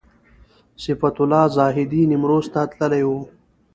صفت الله زاهدي نیمروز ته تللی و.